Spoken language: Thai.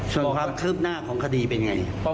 คุณบอกครับเคลืบหน้าของคดีเป็นอย่างไร